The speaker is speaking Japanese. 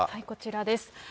こちらです。